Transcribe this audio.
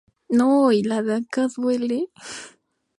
Repitió el papel en una actuación en una gala para la reina Victoria.